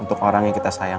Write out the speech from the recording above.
untuk orang yang kita sayang